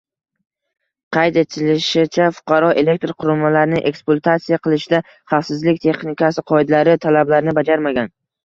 Qayd etilishicha, fuqaro elektr qurilmalarni ekspluatatsiya qilishda xavfsizlik texnikasi qoidalari talablarini bajarmagan